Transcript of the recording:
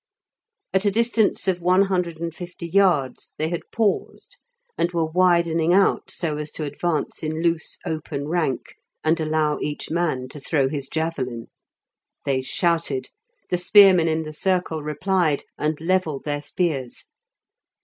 At a distance of one hundred and fifty yards they had paused, and were widening out so as to advance in loose open rank and allow each man to throw his javelin. They shouted; the spearmen in the circle replied, and levelled their spears.